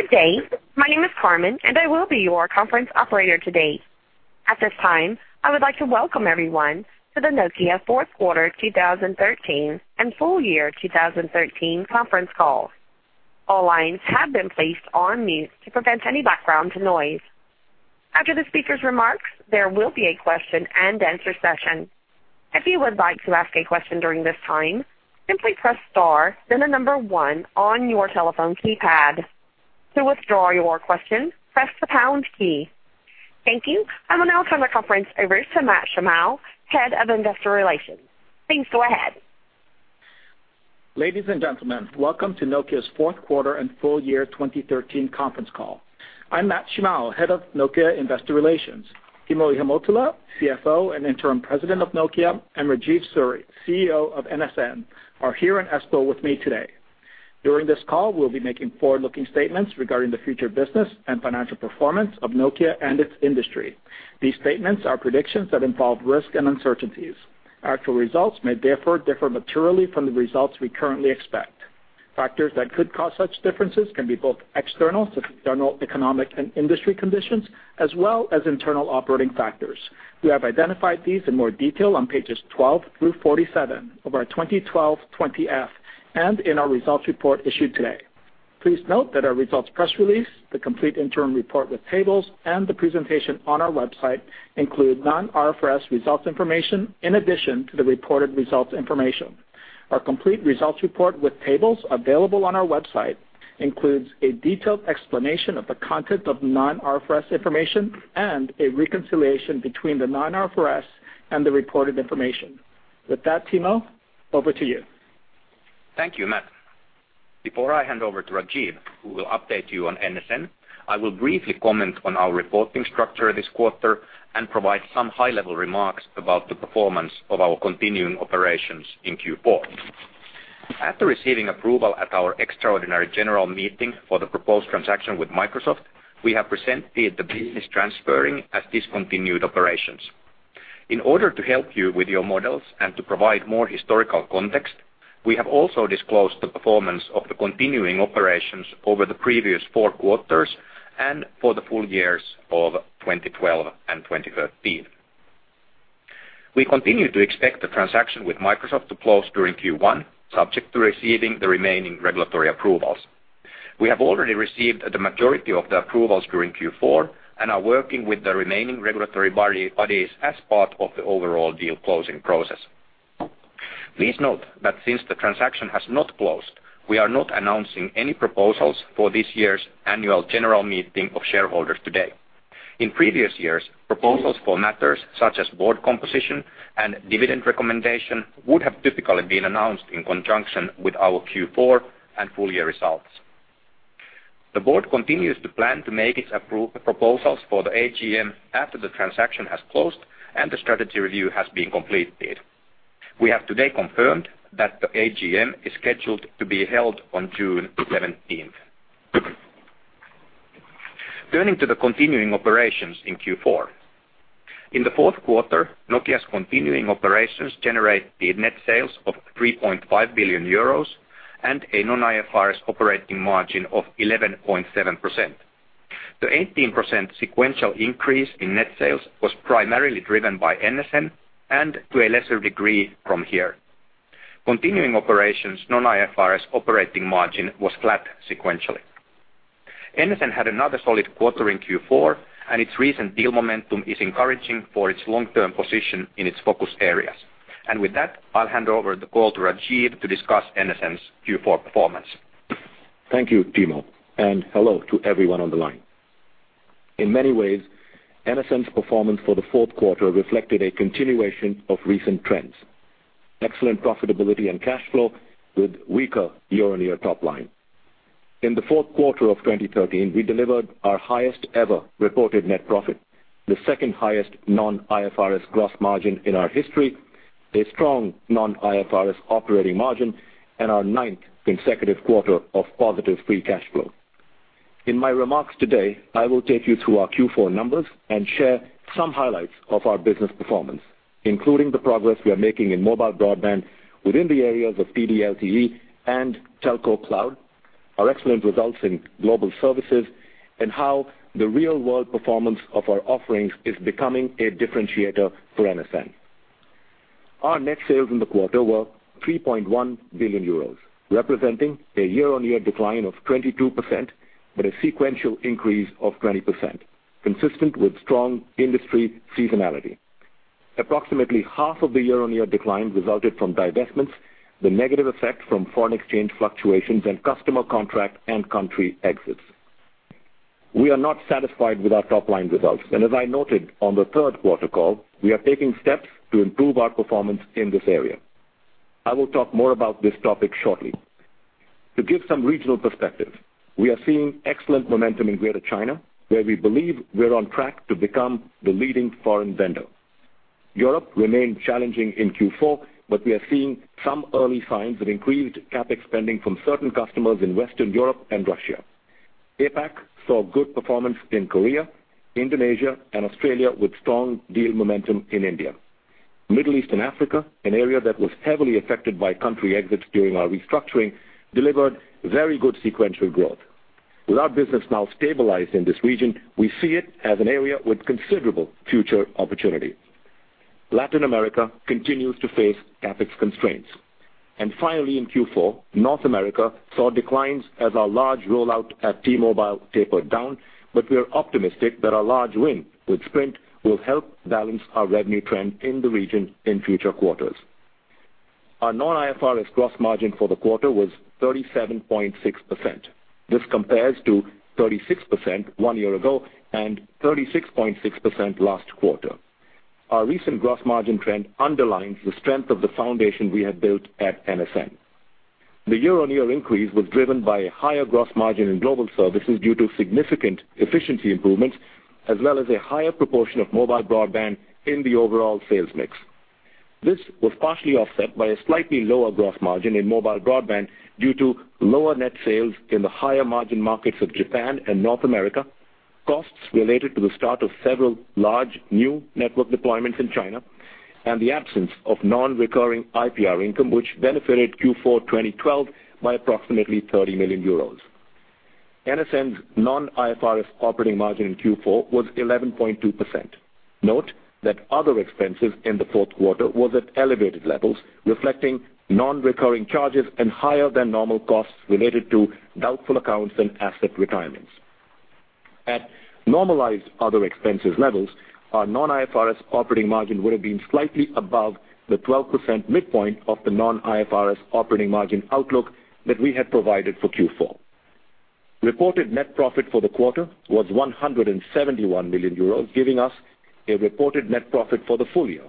Good day, my name is Carmen and I will be your conference operator today. At this time, I would like to welcome everyone to the Nokia fourth quarter 2013 and full year 2013 conference call. All lines have been placed on mute to prevent any background noise. After the speaker's remarks, there will be a question-and-answer session. If you would like to ask a question during this time, simply press star then the number one on your telephone keypad. To withdraw your question, press the pound key. Thank you, I will now turn the conference over to Matt Shimao, Head of Investor Relations. Please go ahead. Ladies and gentlemen, welcome to Nokia's fourth quarter and full year 2013 conference call. I'm Matt Shimao, head of Nokia investor relations. Timo Ihamuotila, CFO and Interim President of Nokia, and Rajeev Suri, CEO of NSN, are here in Espoo with me today. During this call, we'll be making forward-looking statements regarding the future business and financial performance of Nokia and its industry. These statements are predictions that involve risk and uncertainties. Actual results may therefore differ materially from the results we currently expect. Factors that could cause such differences can be both external economic and industry conditions, as well as internal operating factors. We have identified these in more detail on pages 12 through 47 of our 2012 20-F and in our results report issued today. Please note that our results press release, the complete interim report with tables, and the presentation on our website include non-IFRS results information in addition to the reported results information. Our complete results report with tables available on our website includes a detailed explanation of the content of non-IFRS information and a reconciliation between the non-IFRS and the reported information. With that, Timo, over to you. Thank you, Matt. Before I hand over to Rajeev, who will update you on NSN, I will briefly comment on our reporting structure this quarter and provide some high-level remarks about the performance of our continuing operations in Q4. After receiving approval at our extraordinary general meeting for the proposed transaction with Microsoft, we have presented the business transferring as discontinued operations. In order to help you with your models and to provide more historical context, we have also disclosed the performance of the continuing operations over the previous four quarters and for the full years of 2012 and 2013. We continue to expect the transaction with Microsoft to close during Q1, subject to receiving the remaining regulatory approvals. We have already received the majority of the approvals during Q4 and are working with the remaining regulatory bodies as part of the overall deal closing process. Please note that since the transaction has not closed, we are not announcing any proposals for this year's annual general meeting of shareholders today. In previous years, proposals for matters such as board composition and dividend recommendation would have typically been announced in conjunction with our Q4 and full year results. The board continues to plan to make its proposals for the AGM after the transaction has closed and the strategy review has been completed. We have today confirmed that the AGM is scheduled to be held on June 17th. Turning to the continuing operations in Q4. In the fourth quarter, Nokia's continuing operations generated net sales of 3.5 billion euros and a non-IFRS operating margin of 11.7%. The 18% sequential increase in net sales was primarily driven by NSN and to a lesser degree from HERE. Continuing operations non-IFRS operating margin was flat sequentially. NSN had another solid quarter in Q4 and its recent deal momentum is encouraging for its long-term position in its focus areas. With that, I'll hand over the call to Rajeev to discuss NSN's Q4 performance. Thank you, Timo, and hello to everyone on the line. In many ways, NSN's performance for the fourth quarter reflected a continuation of recent trends: excellent profitability and cash flow with weaker year-on-year top line. In the fourth quarter of 2013, we delivered our highest ever reported net profit, the second highest non-IFRS gross margin in our history, a strong non-IFRS operating margin, and our ninth consecutive quarter of positive free cash flow. In my remarks today, I will take you through our Q4 numbers and share some highlights of our business performance, including the progress we are making in mobile broadband within the areas of TD-LTE and telco cloud, our excellent results in global services, and how the real-world performance of our offerings is becoming a differentiator for NSN. Our net sales in the quarter were 3.1 billion euros, representing a year-on-year decline of 22% but a sequential increase of 20%, consistent with strong industry seasonality. Approximately half of the year-on-year decline resulted from divestments, the negative effect from foreign exchange fluctuations, and customer contract and country exits. We are not satisfied with our top-line results, and as I noted on the third quarter call, we are taking steps to improve our performance in this area. I will talk more about this topic shortly. To give some regional perspective, we are seeing excellent momentum in Greater China, where we believe we're on track to become the leading foreign vendor. Europe remained challenging in Q4, but we are seeing some early signs of increased CAPEX spending from certain customers in Western Europe and Russia. APAC saw good performance in Korea, Indonesia, and Australia with strong deal momentum in India. Middle East and Africa, an area that was heavily affected by country exits during our restructuring, delivered very good sequential growth. With our business now stabilized in this region, we see it as an area with considerable future opportunity. Latin America continues to face CAPEX constraints. Finally, in Q4, North America saw declines as our large rollout at T-Mobile tapered down, but we are optimistic that our large win with Sprint will help balance our revenue trend in the region in future quarters. Our non-IFRS gross margin for the quarter was 37.6%. This compares to 36% one year ago and 36.6% last quarter. Our recent gross margin trend underlines the strength of the foundation we have built at NSN. The year-on-year increase was driven by a higher gross margin in global services due to significant efficiency improvements, as well as a higher proportion of mobile broadband in the overall sales mix. This was partially offset by a slightly lower gross margin in mobile broadband due to lower net sales in the higher margin markets of Japan and North America, costs related to the start of several large new network deployments in China, and the absence of non-recurring IPR income, which benefited Q4 2012 by approximately 30 million euros. NSN's non-IFRS operating margin in Q4 was 11.2%. Note that other expenses in the fourth quarter were at elevated levels, reflecting non-recurring charges and higher-than-normal costs related to doubtful accounts and asset retirements. At normalized other expenses levels, our non-IFRS operating margin would have been slightly above the 12% midpoint of the non-IFRS operating margin outlook that we had provided for Q4. Reported net profit for the quarter was 171 million euros, giving us a reported net profit for the full year,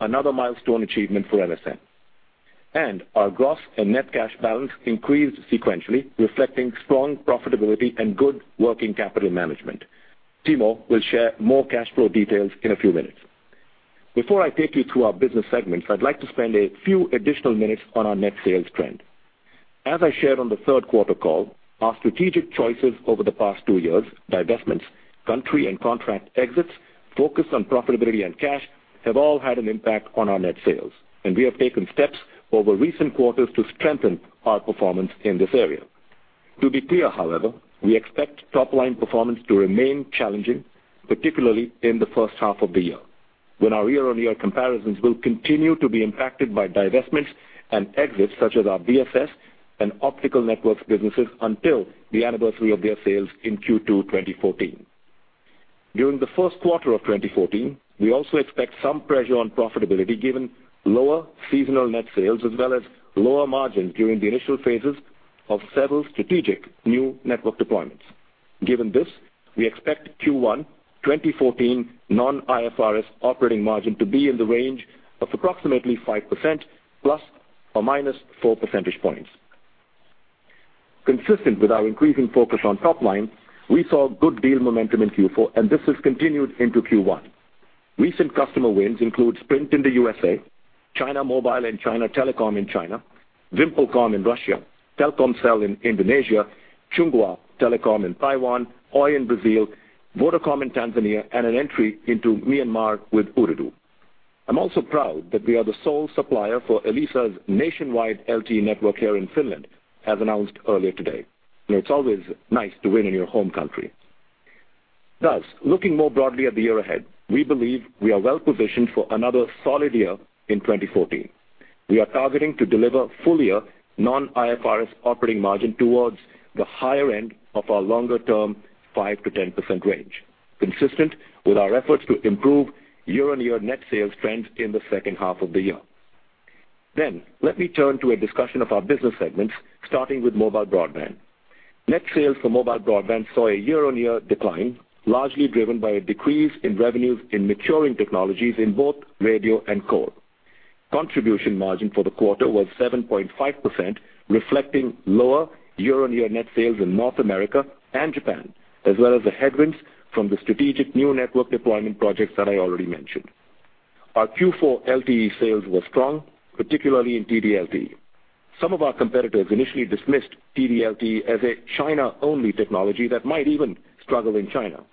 another milestone achievement for NSN. Our gross and net cash balance increased sequentially, reflecting strong profitability and good working capital management. Timo will share more cash flow details in a few minutes. Before I take you through our business segments, I'd like to spend a few additional minutes on our net sales trend. As I shared on the third quarter call, our strategic choices over the past two years, divestments, country and contract exits focused on profitability and cash have all had an impact on our net sales, and we have taken steps over recent quarters to strengthen our performance in this area. To be clear, however, we expect top-line performance to remain challenging, particularly in the first half of the year, when our year-on-year comparisons will continue to be impacted by divestments and exits such as our BSS and Optical Networks businesses until the anniversary of their sales in Q2 2014. During the first quarter of 2014, we also expect some pressure on profitability given lower seasonal net sales as well as lower margins during the initial phases of several strategic new network deployments. Given this, we expect Q1 2014 non-IFRS operating margin to be in the range of approximately 5% ±4 percentage points. Consistent with our increasing focus on top line, we saw good deal momentum in Q4, and this has continued into Q1. Recent customer wins include Sprint in the U.S.A, China Mobile and China Telecom in China, VimpelCom in Russia, Telkomsel in Indonesia, Chunghwa Telecom in Taiwan, Oi in Brazil, Vodacom in Tanzania, and an entry into Myanmar with Ooredoo. I'm also proud that we are the sole supplier for Elisa's nationwide LTE network here in Finland, as announced earlier today. It's always nice to win in your home country. Thus, looking more broadly at the year ahead, we believe we are well-positioned for another solid year in 2014. We are targeting to deliver full-year non-IFRS operating margin towards the higher end of our longer-term 5%-10% range, consistent with our efforts to improve year-on-year net sales trends in the second half of the year. Then, let me turn to a discussion of our business segments, starting with mobile broadband. Net sales for mobile broadband saw a year-on-year decline, largely driven by a decrease in revenues in maturing technologies in both radio and core. Contribution margin for the quarter was 7.5%, reflecting lower year-on-year net sales in North America and Japan, as well as a headwind from the strategic new network deployment projects that I already mentioned. Our Q4 LTE sales were strong, particularly in TD-LTE. Some of our competitors initially dismissed TD-LTE as a China-only technology that might even struggle in China.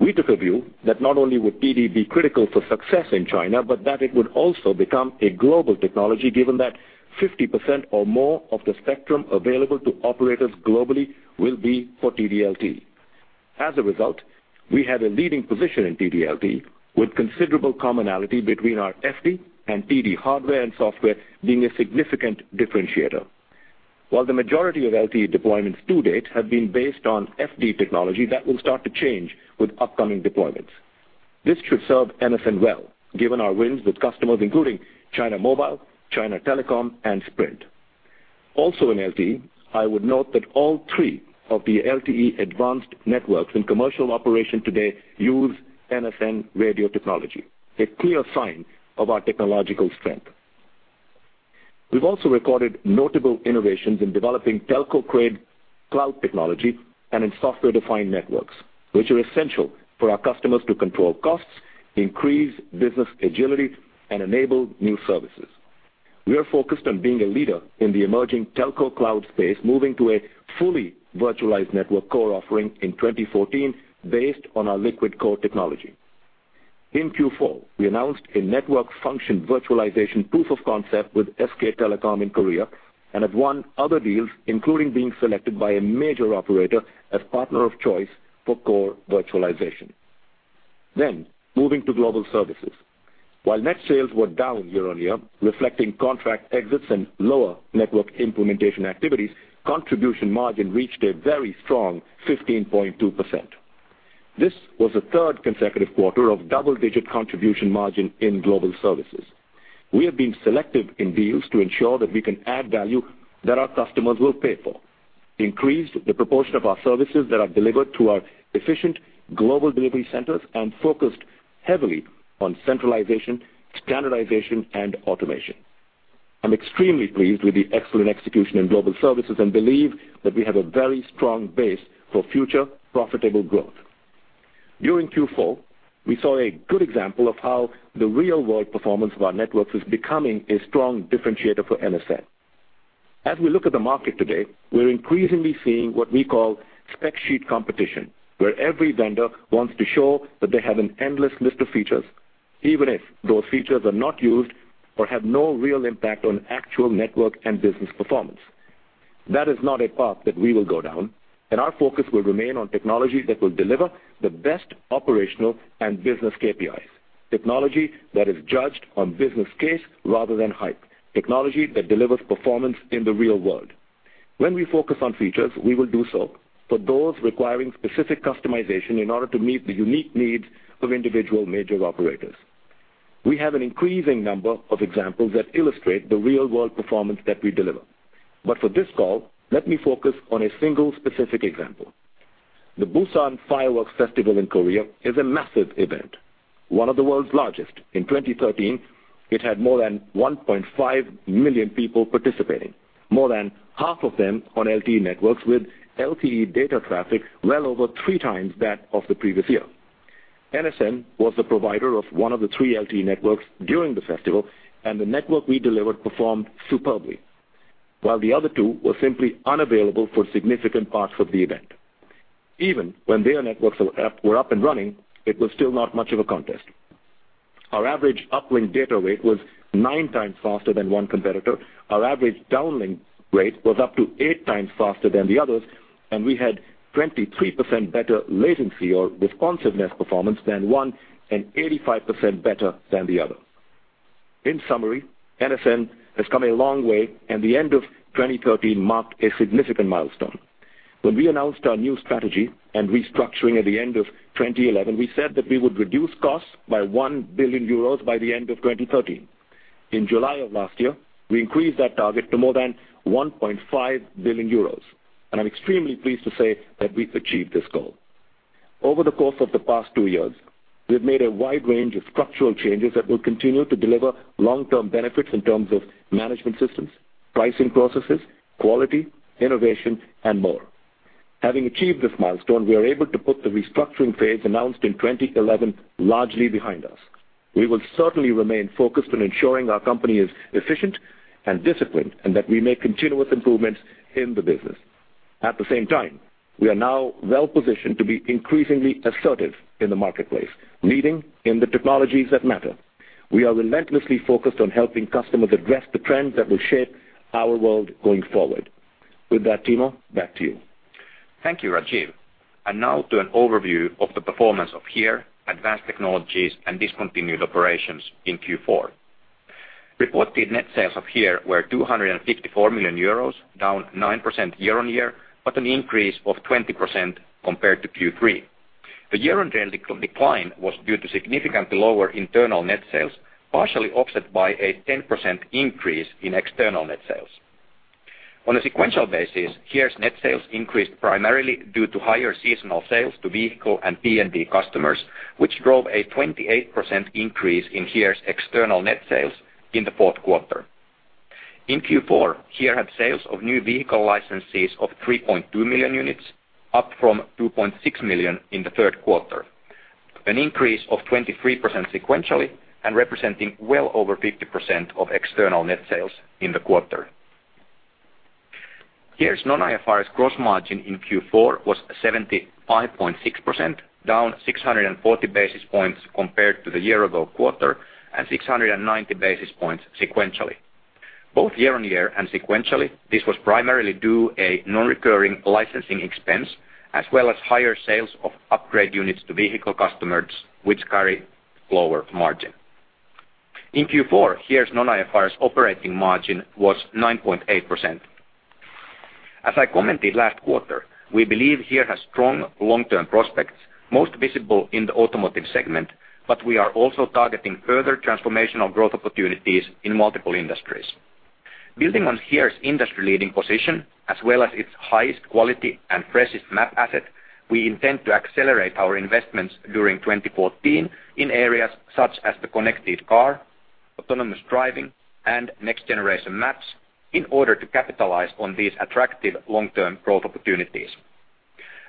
We took a view that not only would TD be critical for success in China, but that it would also become a global technology given that 50% or more of the spectrum available to operators globally will be for TD-LTE. As a result, we had a leading position in TD-LTE with considerable commonality between our FD and TD hardware and software being a significant differentiator. While the majority of LTE deployments to date have been based on FD technology, that will start to change with upcoming deployments. This should serve NSN well, given our wins with customers including China Mobile, China Telecom, and Sprint. Also in LTE, I would note that all three of the LTE-Advanced networks in commercial operation today use NSN radio technology, a clear sign of our technological strength. We've also recorded notable innovations in developing telco-grade cloud technology and in software-defined networks, which are essential for our customers to control costs, increase business agility, and enable new services. We are focused on being a leader in the emerging telco-cloud space, moving to a fully virtualized network core offering in 2014 based on our Liquid Core technology. In Q4, we announced a network function virtualization proof of concept with SK Telecom in Korea and have won other deals, including being selected by a major operator as partner of choice for core virtualization. Then, moving to global services. While net sales were down year-on-year, reflecting contract exits and lower network implementation activities, contribution margin reached a very strong 15.2%. This was the third consecutive quarter of double-digit contribution margin in global services. We have been selective in deals to ensure that we can add value that our customers will pay for, increased the proportion of our services that are delivered to our efficient global delivery centers, and focused heavily on centralization, standardization, and automation. I'm extremely pleased with the excellent execution in global services and believe that we have a very strong base for future profitable growth. During Q4, we saw a good example of how the real-world performance of our networks is becoming a strong differentiator for NSN. As we look at the market today, we're increasingly seeing what we call spec sheet competition, where every vendor wants to show that they have an endless list of features, even if those features are not used or have no real impact on actual network and business performance. That is not a path that we will go down, and our focus will remain on technology that will deliver the best operational and business KPIs, technology that is judged on business case rather than hype, technology that delivers performance in the real world. When we focus on features, we will do so for those requiring specific customization in order to meet the unique needs of individual major operators. We have an increasing number of examples that illustrate the real-world performance that we deliver. But for this call, let me focus on a single specific example. The Busan Fireworks Festival in Korea is a massive event, one of the world's largest. In 2013, it had more than 1.5 million people participating, more than half of them on LTE networks with LTE data traffic well over 3x that of the previous year. NSN was the provider of one of the three LTE networks during the festival, and the network we delivered performed superbly, while the other two were simply unavailable for significant parts of the event. Even when their networks were up and running, it was still not much of a contest. Our average uplink data rate was 9x faster than one competitor. Our average downlink rate was up to 8x faster than the others, and we had 23% better latency or responsiveness performance than one and 85% better than the other. In summary, NSN has come a long way, and the end of 2013 marked a significant milestone. When we announced our new strategy and restructuring at the end of 2011, we said that we would reduce costs by 1 billion euros by the end of 2013. In July of last year, we increased that target to more than 1.5 billion euros, and I'm extremely pleased to say that we achieved this goal. Over the course of the past two years, we've made a wide range of structural changes that will continue to deliver long-term benefits in terms of management systems, pricing processes, quality, innovation, and more. Having achieved this milestone, we are able to put the restructuring phase announced in 2011 largely behind us. We will certainly remain focused on ensuring our company is efficient and disciplined and that we make continuous improvements in the business. At the same time, we are now well-positioned to be increasingly assertive in the marketplace, leading in the technologies that matter. We are relentlessly focused on helping customers address the trends that will shape our world going forward. With that, Timo, back to you. Thank you, Rajeev. Now to an overview of the performance of HERE, Advanced Technologies, and discontinued operations in Q4. Reported net sales of HERE were 254 million euros, down 9% year-over-year, but an increase of 20% compared to Q3. The year-over-year decline was due to significantly lower internal net sales, partially offset by a 10% increase in external net sales. On a sequential basis, HERE's net sales increased primarily due to higher seasonal sales to vehicle and PND customers, which drove a 28% increase in HERE's external net sales in the fourth quarter. In Q4, HERE had sales of new vehicle licenses of 3.2 million units, up from 2.6 million in the third quarter, an increase of 23% sequentially and representing well over 50% of external net sales in the quarter. HERE's non-IFRS gross margin in Q4 was 75.6%, down 640 basis points compared to the year-ago quarter and 690 basis points sequentially. Both year-on-year and sequentially, this was primarily due to a non-recurring licensing expense as well as higher sales of upgrade units to vehicle customers, which carried lower margin. In Q4, HERE's non-IFRS operating margin was 9.8%. As I commented last quarter, we believe HERE has strong long-term prospects, most visible in the automotive segment, but we are also targeting further transformational growth opportunities in multiple industries. Building on HERE's industry-leading position as well as its highest quality and freshest map asset, we intend to accelerate our investments during 2014 in areas such as the connected car, autonomous driving, and next-generation maps in order to capitalize on these attractive long-term growth opportunities.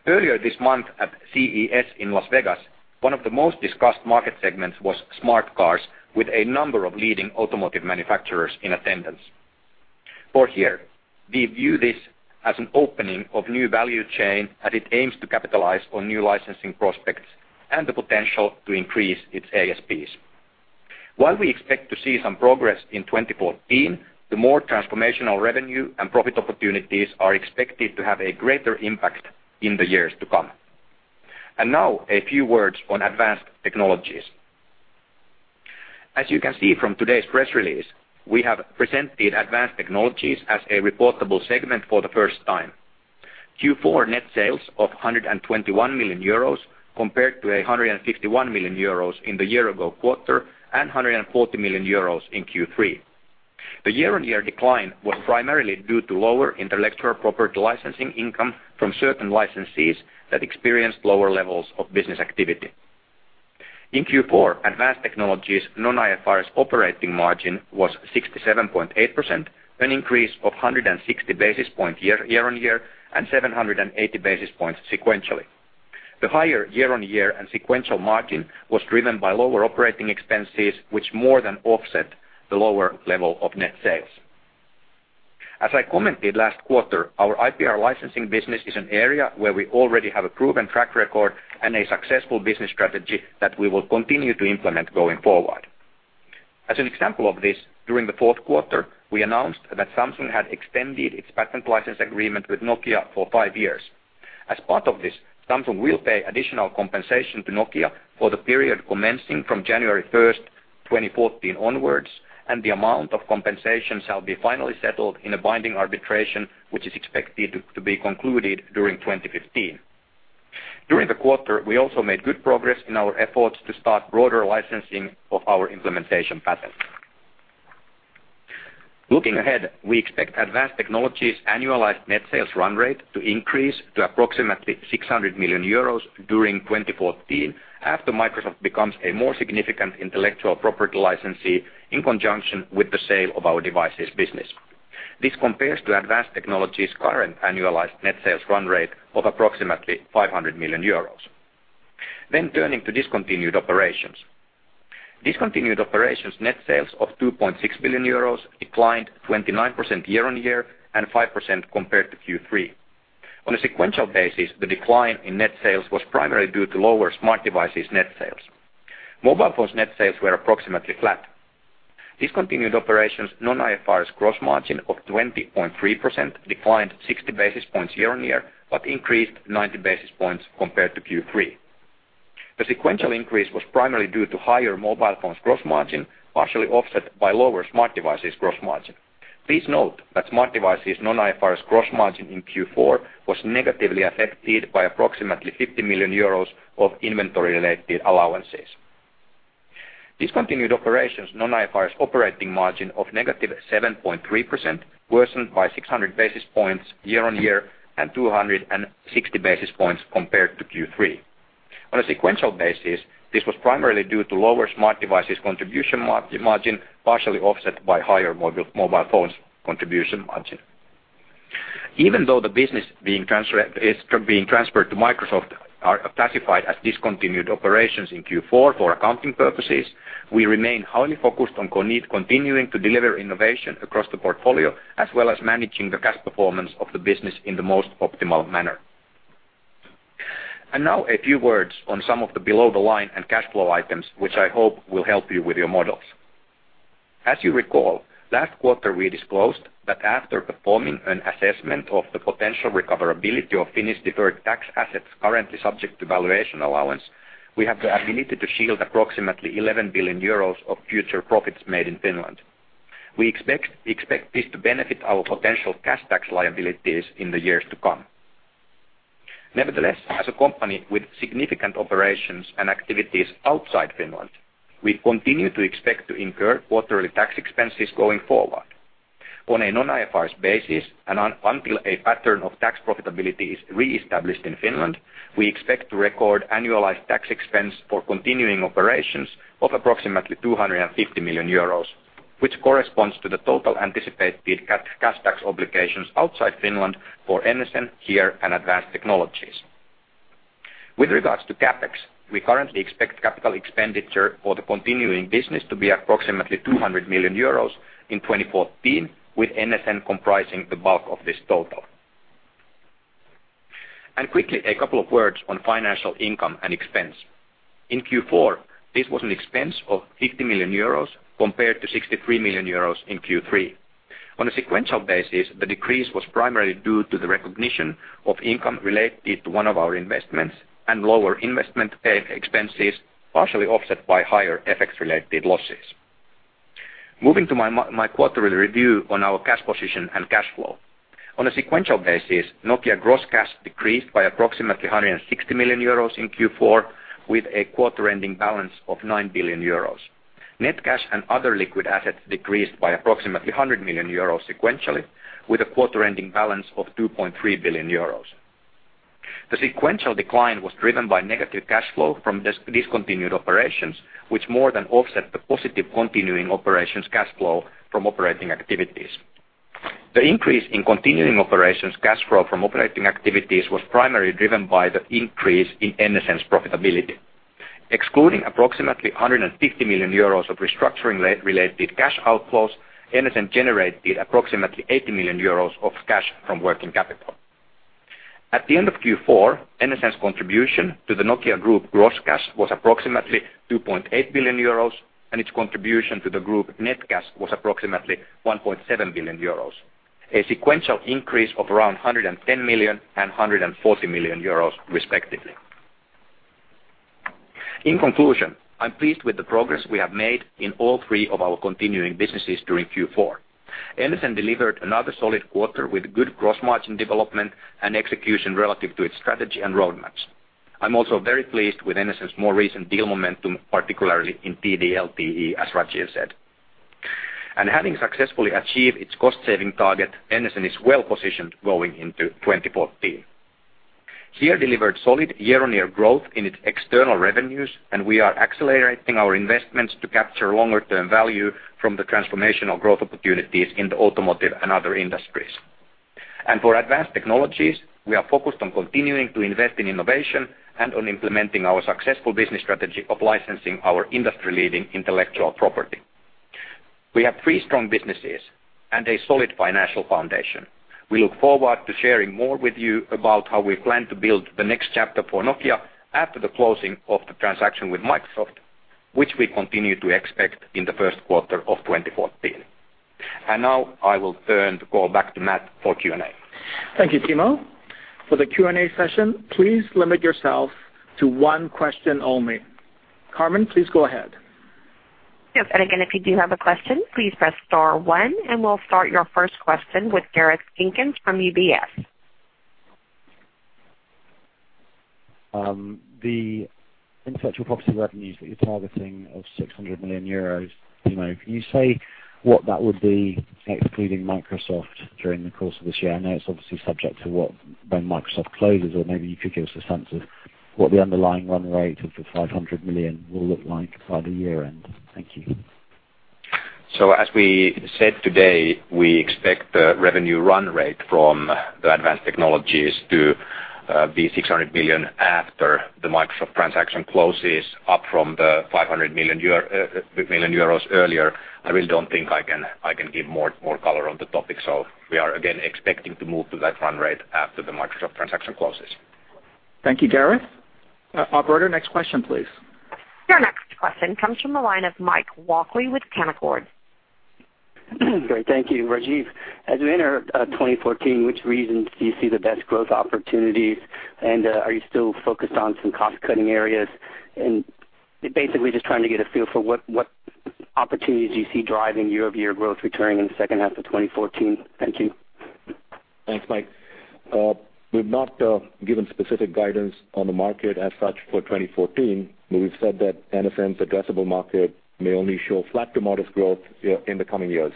Earlier this month at CES in Las Vegas, one of the most discussed market segments was smart cars with a number of leading automotive manufacturers in attendance. For HERE, we view this as an opening of new value chain as it aims to capitalize on new licensing prospects and the potential to increase its ASPs. While we expect to see some progress in 2014, the more transformational revenue and profit opportunities are expected to have a greater impact in the years to come. And now a few words on Advanced Technologies. As you can see from today's press release, we have presented Advanced Technologies as a reportable segment for the first time. Q4 net sales of 121 million euros compared to 151 million euros in the year-ago quarter and 140 million euros in Q3. The year-on-year decline was primarily due to lower intellectual property licensing income from certain licensees that experienced lower levels of business activity. In Q4, Advanced Technologies non-IFRS operating margin was 67.8%, an increase of 160 basis points year-on-year and 780 basis points sequentially. The higher year-on-year and sequential margin was driven by lower operating expenses, which more than offset the lower level of net sales. As I commented last quarter, our IPR licensing business is an area where we already have a proven track record and a successful business strategy that we will continue to implement going forward. As an example of this, during the fourth quarter, we announced that Samsung had extended its patent license agreement with Nokia for five years. As part of this, Samsung will pay additional compensation to Nokia for the period commencing from January 1st, 2014 onwards, and the amount of compensations shall be finally settled in a binding arbitration, which is expected to be concluded during 2015. During the quarter, we also made good progress in our efforts to start broader licensing of our implementation patents. Looking ahead, we expect Advanced Technologies' annualized net sales run rate to increase to approximately 600 million euros during 2014 after Microsoft becomes a more significant intellectual property licensee in conjunction with the sale of our devices business. This compares to Advanced Technologies' current annualized net sales run rate of approximately 500 million euros. Then turning to discontinued operations. Discontinued operations' net sales of 2.6 billion euros declined 29% year-on-year and 5% compared to Q3. On a sequential basis, the decline in net sales was primarily due to lower smart devices' net sales. Mobile phones' net sales were approximately flat. Discontinued operations' non-IFRS gross margin of 20.3% declined 60 basis points year-on-year but increased 90 basis points compared to Q3. The sequential increase was primarily due to higher mobile phones' gross margin, partially offset by lower smart devices' gross margin. Please note that smart devices' non-IFRS gross margin in Q4 was negatively affected by approximately 50 million euros of inventory-related allowances. Discontinued operations' non-IFRS operating margin of -7.3% worsened by 600 basis points year-on-year and 260 basis points compared to Q3. On a sequential basis, this was primarily due to lower smart devices' contribution margin, partially offset by higher mobile phones' contribution margin. Even though the business being transferred to Microsoft are classified as discontinued operations in Q4 for accounting purposes, we remain highly focused on continuing to deliver innovation across the portfolio as well as managing the cash performance of the business in the most optimal manner. Now a few words on some of the below-the-line and cash flow items, which I hope will help you with your models. As you recall, last quarter we disclosed that after performing an assessment of the potential recoverability of Finnish deferred tax assets currently subject to valuation allowance, we have the ability to shield approximately 11 billion euros of future profits made in Finland. We expect this to benefit our potential cash tax liabilities in the years to come. Nevertheless, as a company with significant operations and activities outside Finland, we continue to expect to incur quarterly tax expenses going forward. On a non-IFRS basis and until a pattern of tax profitability is reestablished in Finland, we expect to record annualized tax expense for continuing operations of approximately 250 million euros, which corresponds to the total anticipated cash tax obligations outside Finland for NSN, HERE, and Advanced Technologies. With regards to CapEx, we currently expect capital expenditure for the continuing business to be approximately 200 million euros in 2014, with NSN comprising the bulk of this total. Quickly, a couple of words on financial income and expense. In Q4, this was an expense of 50 million euros compared to 63 million euros in Q3. On a sequential basis, the decrease was primarily due to the recognition of income related to one of our investments and lower investment expenses, partially offset by higher FX-related losses. Moving to my quarterly review on our cash position and cash flow. On a sequential basis, Nokia gross cash decreased by approximately 160 million euros in Q4 with a quarter-ending balance of 9 billion euros. Net cash and other liquid assets decreased by approximately 100 million euros sequentially with a quarter-ending balance of 2.3 billion euros. The sequential decline was driven by negative cash flow from discontinued operations, which more than offset the positive continuing operations cash flow from operating activities. The increase in continuing operations cash flow from operating activities was primarily driven by the increase in NSN's profitability. Excluding approximately 150 million euros of restructuring-related cash outflows, NSN generated approximately 80 million euros of cash from working capital. At the end of Q4, NSN's contribution to the Nokia Group gross cash was approximately 2.8 billion euros, and its contribution to the group net cash was approximately 1.7 billion euros, a sequential increase of around 110 million and 140 million euros, respectively. In conclusion, I'm pleased with the progress we have made in all three of our continuing businesses during Q4. NSN delivered another solid quarter with good gross margin development and execution relative to its strategy and roadmaps. I'm also very pleased with NSN's more recent deal momentum, particularly in TD-LTE, as Rajeev said. Having successfully achieved its cost-saving target, NSN is well-positioned going into 2014. HERE delivered solid year-on-year growth in its external revenues, and we are accelerating our investments to capture longer-term value from the transformational growth opportunities in the automotive and other industries. For Advanced Technologies, we are focused on continuing to invest in innovation and on implementing our successful business strategy of licensing our industry-leading intellectual property. We have three strong businesses and a solid financial foundation. We look forward to sharing more with you about how we plan to build the next chapter for Nokia after the closing of the transaction with Microsoft, which we continue to expect in the first quarter of 2014. Now I will turn the call back to Matt for Q&A. Thank you, Timo. For the Q&A session, please limit yourself to one question only. Carmen, please go ahead. Yes. And again, if you do have a question, please press star one, and we'll start your first question with Gareth Jenkins from UBS. The intellectual property revenues that you're targeting of 600 million euros, Timo, can you say what that would be excluding Microsoft during the course of this year? I know it's obviously subject to when Microsoft closes, or maybe you could give us a sense of what the underlying run rate of the 500 million will look like by the year-end. Thank you. As we said today, we expect the revenue run rate from the Advanced Technologies to be 600 million after the Microsoft transaction closes, up from the 500 million euros earlier. I really don't think I can give more color on the topic, so we are again expecting to move to that run rate after the Microsoft transaction closes. Thank you, Gareth. Operator, next question, please. Your next question comes from the line of Mike Walkley with Canaccord Genuity. Great. Thank you, Rajeev. As we enter 2014, which reasons do you see the best growth opportunities, and are you still focused on some cost-cutting areas? Basically just trying to get a feel for what opportunities do you see driving year-over-year growth returning in the second half of 2014. Thank you. Thanks, Mike. We've not given specific guidance on the market as such for 2014, but we've said that NSN's addressable market may only show flat to modest growth in the coming years.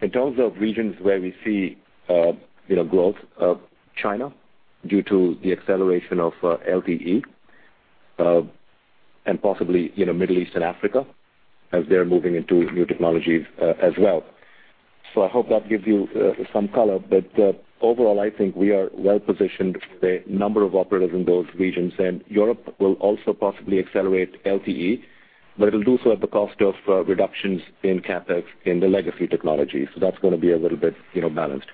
In terms of regions where we see growth, China due to the acceleration of LTE, and possibly Middle East and Africa as they're moving into new technologies as well. So I hope that gives you some color, but overall, I think we are well-positioned with a number of operators in those regions, and Europe will also possibly accelerate LTE, but it'll do so at the cost of reductions in CapEx in the legacy technologies. So that's going to be a little bit balanced.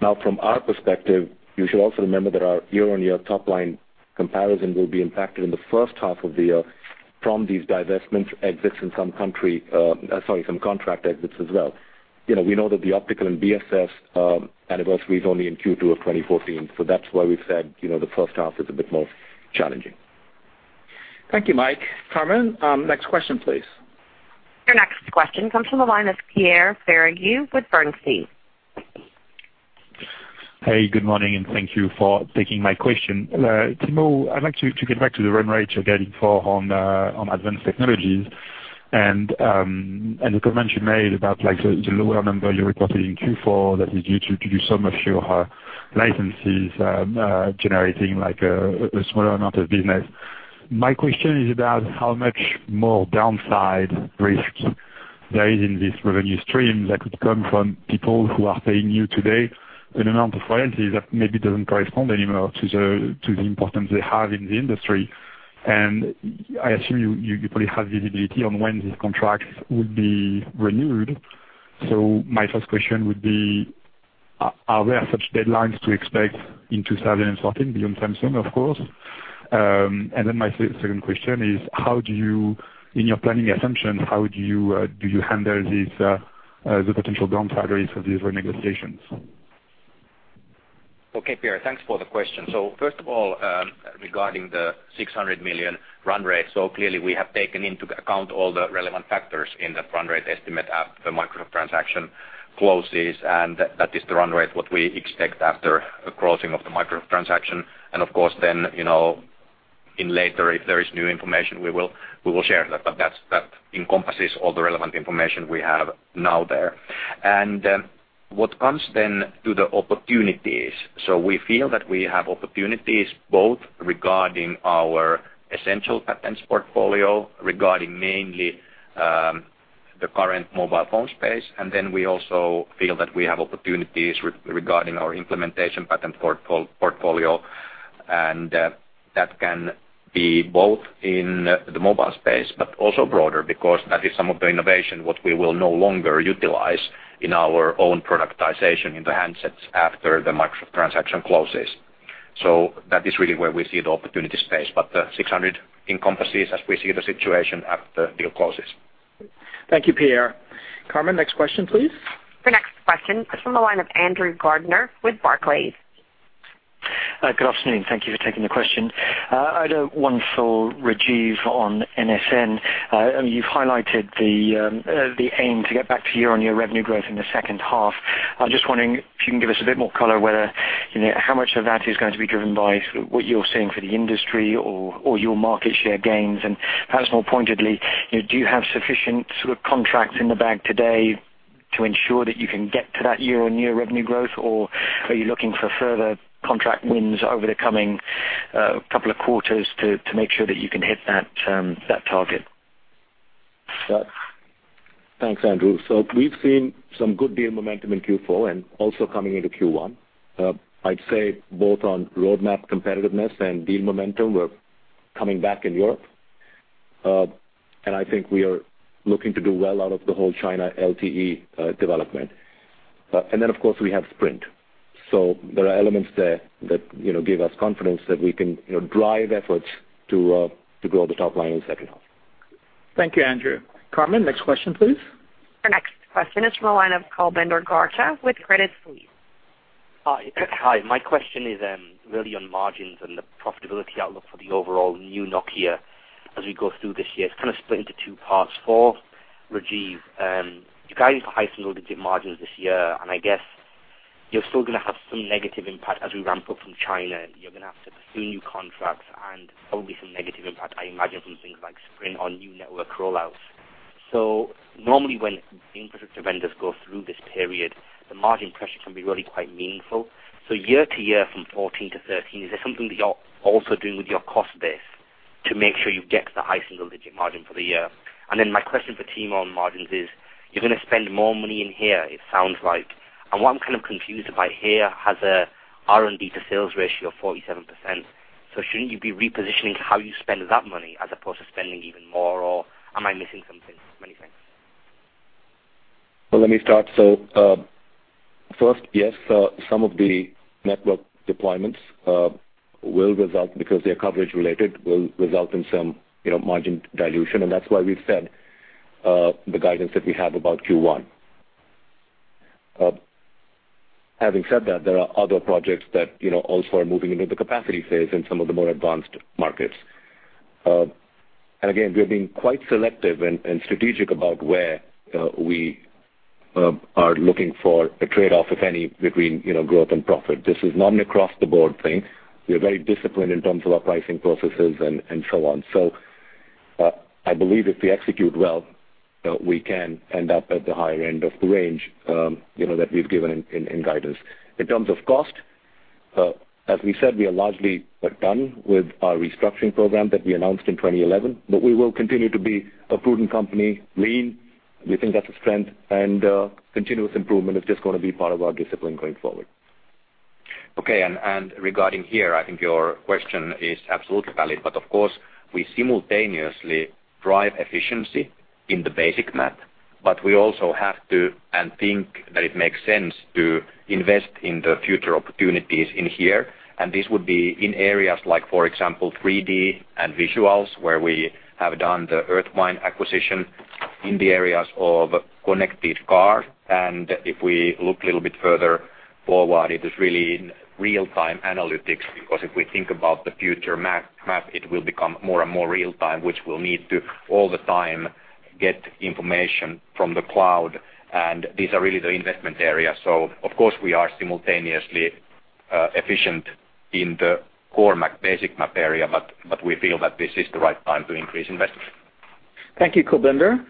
Now, from our perspective, you should also remember that our year-on-year top-line comparison will be impacted in the first half of the year from these divestment exits in some country, sorry, some contract exits as well. We know that the Optical and BSS anniversary is only in Q2 of 2014, so that's why we've said the first half is a bit more challenging. Thank you, Mike. Carmen, next question, please. Your next question comes from the line of Pierre Ferragu with Bernstein. Hey. Good morning, and thank you for taking my question. Timo, I'd like to get back to the run rate you're getting for on Advanced Technologies, and the comment you made about the lower number you reported in Q4 that is due to some of your licenses generating a smaller amount of business. My question is about how much more downside risk there is in these revenue streams that could come from people who are paying you today an amount of royalties that maybe doesn't correspond anymore to the importance they have in the industry. And I assume you probably have visibility on when these contracts will be renewed. So my first question would be, are there such deadlines to expect in 2014 beyond Samsung, of course? And then my second question is, in your planning assumptions, how do you handle the potential downside risk of these renegotiations? Okay, Pierre. Thanks for the question. So first of all, regarding the 600 million run rate, so clearly, we have taken into account all the relevant factors in that run rate estimate after the Microsoft transaction closes, and that is the run rate what we expect after closing of the Microsoft transaction. And of course, then later, if there is new information, we will share that, but that encompasses all the relevant information we have now there. And what comes then to the opportunities? So we feel that we have opportunities both regarding our essential patents portfolio, regarding mainly the current mobile phone space, and then we also feel that we have opportunities regarding our implementation patent portfolio. And that can be both in the mobile space, but also broader because that is some of the innovation what we will no longer utilize in our own productization in the handsets after the Microsoft transaction closes. So that is really where we see the opportunity space, but the 600 encompasses as we see the situation after the deal closes. Thank you, Pierre. Carmen, next question, please. Your next question is from the line of Andrew Gardiner with Barclays. Good afternoon. Thank you for taking the question. I had a one for Rajeev on NSN. You've highlighted the aim to get back to year-on-year revenue growth in the second half. I'm just wondering if you can give us a bit more color whether how much of that is going to be driven by what you're seeing for the industry or your market share gains. And perhaps more pointedly, do you have sufficient sort of contracts in the bag today to ensure that you can get to that year-on-year revenue growth, or are you looking for further contract wins over the coming couple of quarters to make sure that you can hit that target? Thanks, Andrew. So we've seen some good deal momentum in Q4 and also coming into Q1. I'd say both on roadmap competitiveness and deal momentum, we're coming back in Europe, and I think we are looking to do well out of the whole China LTE development. And then, of course, we have Sprint. So there are elements there that give us confidence that we can drive efforts to grow the top line in the second half. Thank you, Andrew. Carmen, next question, please. Your next question is from the line of Kulbinder Garcha with Credit Suisse. Hi. My question is really on margins and the profitability outlook for the overall new Nokia as we go through this year. It's kind of split into two parts. For Rajeev, you guys are high single-digit margins this year, and I guess you're still going to have some negative impact as we ramp up from China. You're going to have to pursue new contracts and probably some negative impact, I imagine, from things like Sprint or new network rollouts. So normally, when infrastructure vendors go through this period, the margin pressure can be really quite meaningful. So year-to-year from 2014 to 2013, is there something that you're also doing with your cost base to make sure you get the high single-digit margin for the year? And then my question for Timo on margins is, you're going to spend more money in here, it sounds like. What I'm kind of confused about, HERE has an R&D to sales ratio of 47%, so shouldn't you be repositioning how you spend that money as opposed to spending even more, or am I missing something? Many thanks. Well, let me start. First, yes, some of the network deployments will result because they're coverage-related, will result in some margin dilution, and that's why we've said the guidance that we have about Q1. Having said that, there are other projects that also are moving into the capacity phase in some of the more advanced markets. Again, we're being quite selective and strategic about where we are looking for a trade-off, if any, between growth and profit. This is not an across-the-board thing. We are very disciplined in terms of our pricing processes and so on. I believe if we execute well, we can end up at the higher end of the range that we've given in guidance. In terms of cost, as we said, we are largely done with our restructuring program that we announced in 2011, but we will continue to be a prudent company, lean. We think that's a strength, and continuous improvement is just going to be part of our discipline going forward. Okay. And regarding HERE, I think your question is absolutely valid, but of course, we simultaneously drive efficiency in the basic map, but we also have to and think that it makes sense to invest in the future opportunities in HERE. And this would be in areas like, for example, 3D and visuals where we have done the Earthmine acquisition in the areas of connected cars. And if we look a little bit further forward, it is really real-time analytics because if we think about the future map, it will become more and more real-time, which we'll need to all the time get information from the cloud. And these are really the investment areas. So of course, we are simultaneously efficient in the core basic map area, but we feel that this is the right time to increase investment. Thank you, Kulbinder.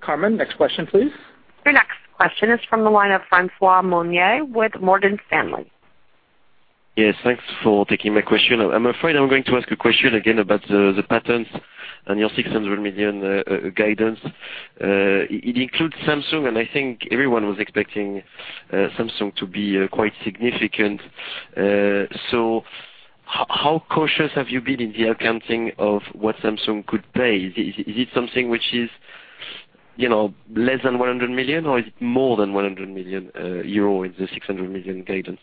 Carmen, next question, please. Your next question is from the line of François Meunier with Morgan Stanley. Yes. Thanks for taking my question. I'm afraid I'm going to ask a question again about the patents and your 600 million guidance. It includes Samsung, and I think everyone was expecting Samsung to be quite significant. So how cautious have you been in the accounting of what Samsung could pay? Is it something which is less than 100 million, or is it more than 100 million euro in the 600 million guidance?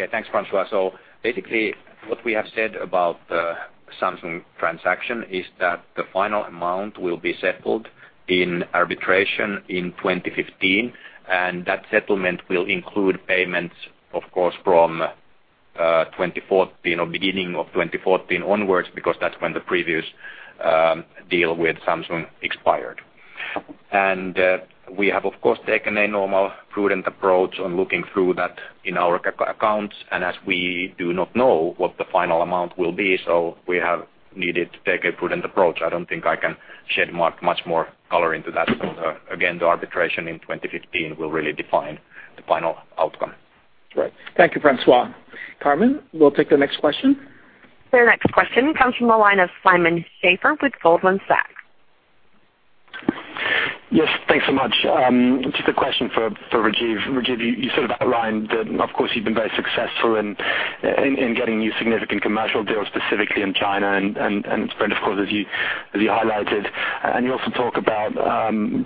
Yeah. Thanks, François. So basically, what we have said about the Samsung transaction is that the final amount will be settled in arbitration in 2015, and that settlement will include payments, of course, from 2014 or beginning of 2014 onwards because that's when the previous deal with Samsung expired. We have, of course, taken a normal, prudent approach on looking through that in our accounts. As we do not know what the final amount will be, we have needed to take a prudent approach. I don't think I can shed much more color into that. So again, the arbitration in 2015 will really define the final outcome. Right. Thank you, François. Carmen, we'll take the next question. Your next question comes from the line of Simon Schaefer with Goldman Sachs. Yes. Thanks so much. Just a question for Rajeev. Rajeev, you sort of outlined that, of course, you've been very successful in getting new significant commercial deals specifically in China. It's great, of course, as you highlighted. You also talk about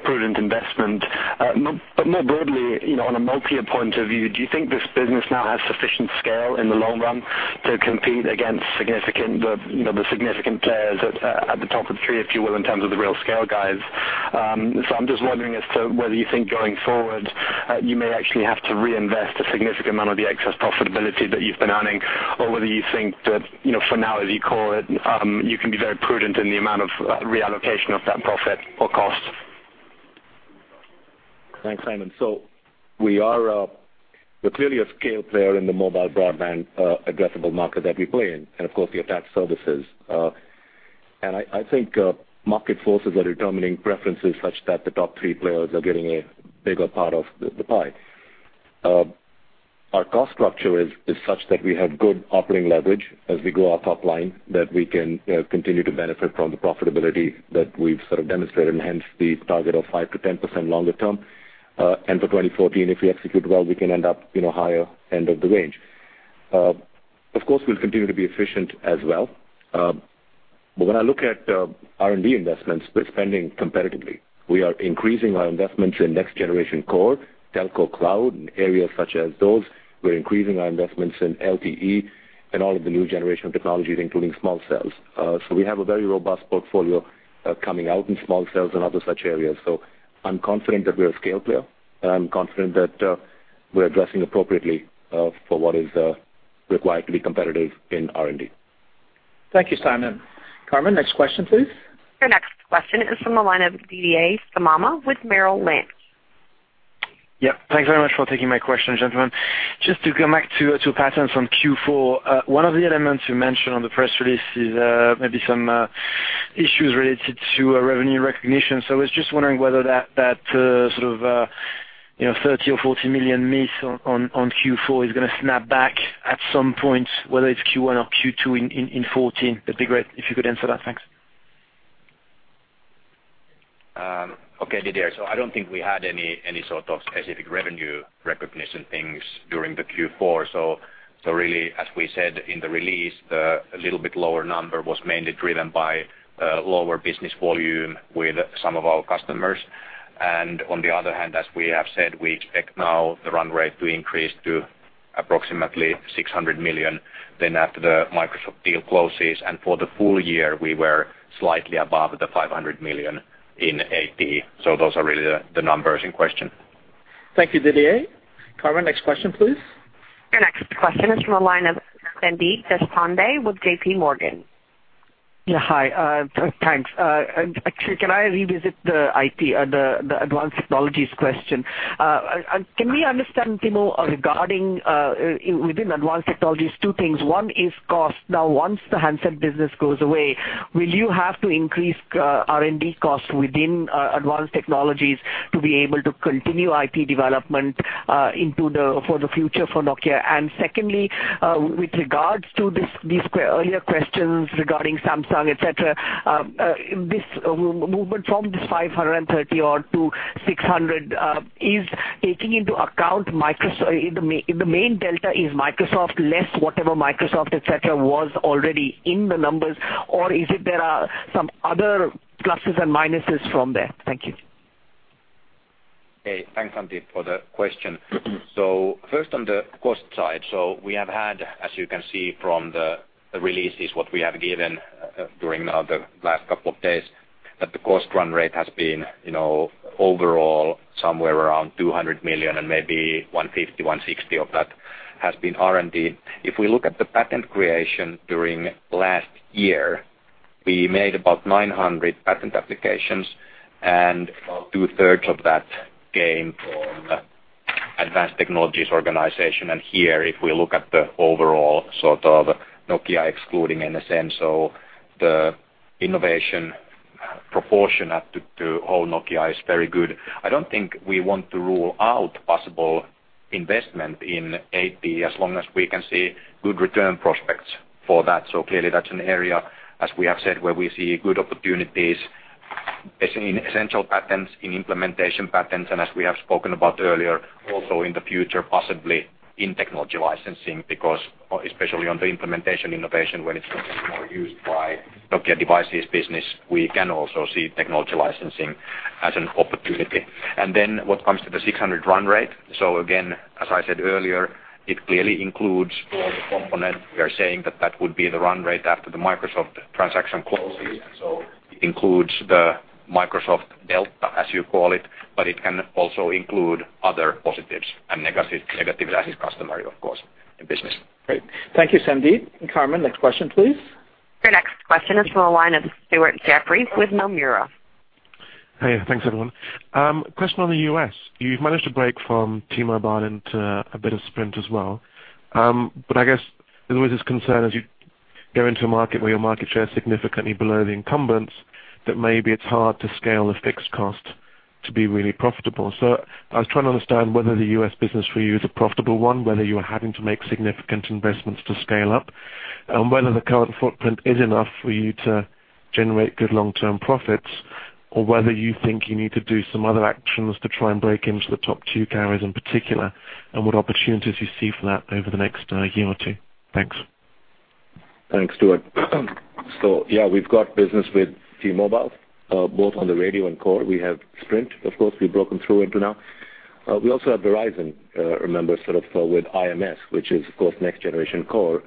prudent investment. But more broadly, on a multi-year point of view, do you think this business now has sufficient scale in the long run to compete against the significant players at the top of the tree, if you will, in terms of the real scale guys? I'm just wondering as to whether you think going forward, you may actually have to reinvest a significant amount of the excess profitability that you've been earning, or whether you think that for now, as you call it, you can be very prudent in the amount of reallocation of that profit or cost? Thanks, Simon. So we're clearly a scale player in the mobile broadband addressable market that we play in, and of course, the attached services. And I think market forces are determining preferences such that the top three players are getting a bigger part of the pie. Our cost structure is such that we have good operating leverage as we go our top line that we can continue to benefit from the profitability that we've sort of demonstrated, and hence the target of 5%-10% longer term. And for 2014, if we execute well, we can end up higher end of the range. Of course, we'll continue to be efficient as well. But when I look at R&D investments, we're spending competitively. We are increasing our investments in next-generation core, telco, cloud, and areas such as those. We're increasing our investments in LTE and all of the new generation of technologies, including small cells. We have a very robust portfolio coming out in small cells and other such areas. I'm confident that we're a scale player, and I'm confident that we're addressing appropriately for what is required to be competitive in R&D. Thank you, Simon. Carmen, next question, please. Your next question is from the line of Didier Scemama with Merrill Lynch. Yep. Thanks very much for taking my question, gentlemen. Just to come back to patents on Q4, one of the elements you mentioned on the press release is maybe some issues related to revenue recognition. So I was just wondering whether that sort of 30 million or 40 million missed on Q4 is going to snap back at some point, whether it's Q1 or Q2 in 2014. It'd be great if you could answer that. Thanks. Okay, Didier. So I don't think we had any sort of specific revenue recognition things during the Q4. So really, as we said in the release, the little bit lower number was mainly driven by lower business volume with some of our customers. And on the other hand, as we have said, we expect now the run rate to increase to approximately 600 million then after the Microsoft deal closes. And for the full year, we were slightly above the 500 million in AT. So those are really the numbers in question. Thank you, Didier. Carmen, next question, please. Your next question is from the line of Sandeep Deshpande with JPMorgan. Yeah. Hi. Thanks. Can I revisit the IT, the Advanced Technologies question? Can we understand, Timo, regarding within Advanced Technologies, two things? One is cost. Now, once the handset business goes away, will you have to increase R&D costs within Advanced Technologies to be able to continue IT development for the future for Nokia? And secondly, with regards to these earlier questions regarding Samsung, etc., this movement from this 530 or to 600, is taking into account the main delta is Microsoft less whatever Microsoft, etc., was already in the numbers, or is it there are some other pluses and minuses from there? Thank you. Hey. Thanks, Sandeep, for the question. So first on the cost side, so we have had, as you can see from the releases what we have given during now the last couple of days, that the cost run rate has been overall somewhere around 200 million and maybe 150 million-160 million of that has been R&D. If we look at the patent creation during last year, we made about 900 patent applications, and about 2/3 of that came from Advanced Technologies organization. And here, if we look at the overall sort of Nokia excluding NSN, so the innovation proportion to whole Nokia is very good. I don't think we want to rule out possible investment in AT as long as we can see good return prospects for that. So clearly, that's an area, as we have said, where we see good opportunities in essential patents, in implementation patents, and as we have spoken about earlier, also in the future, possibly in technology licensing because especially on the implementation innovation, when it's much more used by Nokia devices business, we can also see technology licensing as an opportunity. And then what comes to the 600 run rate, so again, as I said earlier, it clearly includes all the components. We are saying that that would be the run rate after the Microsoft transaction closes. And so it includes the Microsoft delta, as you call it, but it can also include other positives and negatives as it's customary, of course, in business. Great. Thank you, Sandeep. Carmen, next question, please. Your next question is from the line of Stuart Jeffrey with Nomura. Hey. Thanks, everyone. Question on the U.S. You've managed to break from T-Mobile to a bit of Sprint as well. But I guess there's always this concern, as you go into a market where your market share is significantly below the incumbents, that maybe it's hard to scale a fixed cost to be really profitable. So I was trying to understand whether the U.S. business for you is a profitable one, whether you are having to make significant investments to scale up, and whether the current footprint is enough for you to generate good long-term profits, or whether you think you need to do some other actions to try and break into the top two carriers in particular, and what opportunities you see for that over the next year or two. Thanks. Thanks, Stuart. So yeah, we've got business with T-Mobile, both on the radio and core. We have Sprint, of course. We've broken through into now. We also have Verizon, remember, sort of with IMS, which is, of course, next-generation core.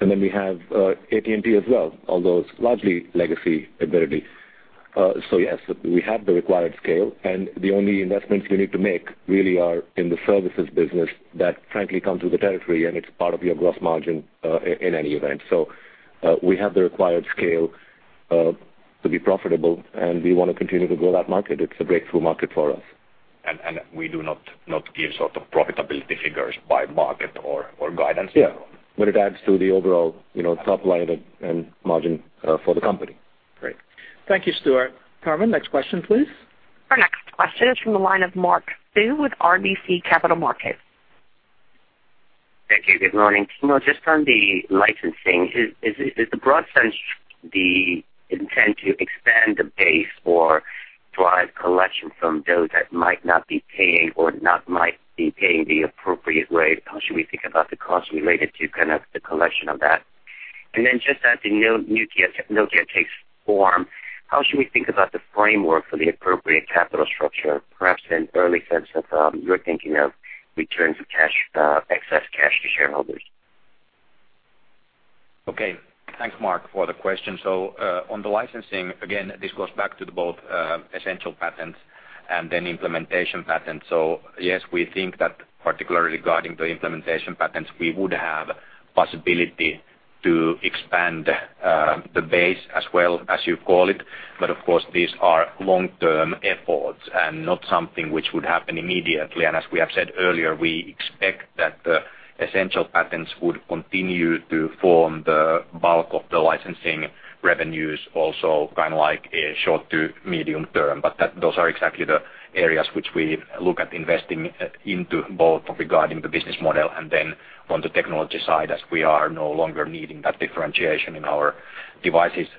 And then we have AT&T as well, although it's largely legacy, admittedly. So yes, we have the required scale, and the only investments you need to make really are in the services business that, frankly, come through the territory, and it's part of your gross margin in any event. So we have the required scale to be profitable, and we want to continue to grow that market. It's a breakthrough market for us. We do not give sort of profitability figures by market or guidance. Yeah. But it adds to the overall top line and margin for the company. Great. Thank you, Stuart. Carmen, next question, please. Our next question is from the line of Mark Sue with RBC Capital Markets. Thank you. Good morning. Timo, just on the licensing in the broad sense, is the intent to expand the base or drive collection from those that might not be paying or not might be paying the appropriate rate? How should we think about the cost related to kind of the collection of that? And then just as Nokia takes form, how should we think about the framework for the appropriate capital structure, perhaps in an early sense of your thinking of returns of cash, excess cash to shareholders? Okay. Thanks, Mark, for the question. So on the licensing, again, this goes back to both essential patents and then implementation patents. So yes, we think that particularly regarding the implementation patents, we would have possibility to expand the base as well as you call it. But of course, these are long-term efforts and not something which would happen immediately. And as we have said earlier, we expect that the essential patents would continue to form the bulk of the licensing revenues, also kind of like short to medium term. But those are exactly the areas which we look at investing into both regarding the business model and then on the technology side, as we are no longer needing that differentiation in our devices business.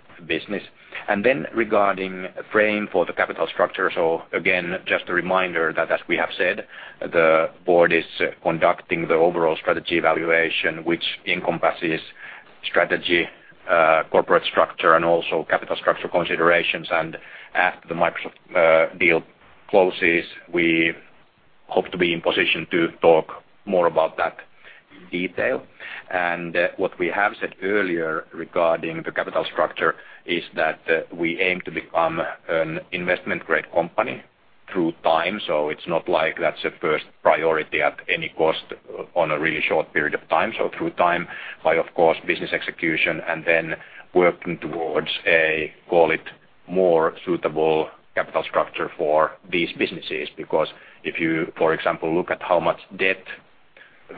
And then regarding framework for the capital structure, so again, just a reminder that as we have said, the board is conducting the overall strategy evaluation, which encompasses strategy, corporate structure, and also capital structure considerations. And after the Microsoft deal closes, we hope to be in position to talk more about that in detail. And what we have said earlier regarding the capital structure is that we aim to become an investment-grade company through time. So it's not like that's a first priority at any cost on a really short period of time. So through time by, of course, business execution and then working towards a, call it, more suitable capital structure for these businesses. Because if you, for example, look at how